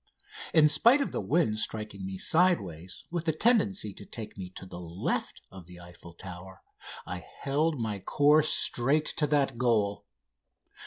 In spite of the wind striking me sidewise, with a tendency to take me to the left of the Eiffel Tower, I held my course straight to that goal.